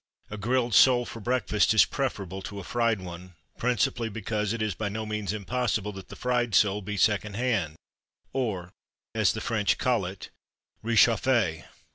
A grilled sole for breakfast is preferable to a fried one, principally because it is by no means impossible that the fried sole be second hand, or as the French call it réchauffé.